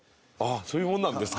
そういうものなんですか？